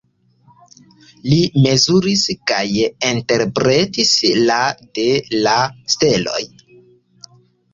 Li mezuris kaj interpretis la de la steloj.